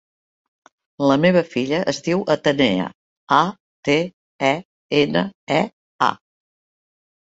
La meva filla es diu Atenea: a, te, e, ena, e, a.